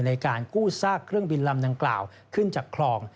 ในการกู้ซากเครื่องบินลำดังกล่าวขึ้นจากคลอง